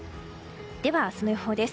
では明日の予報です。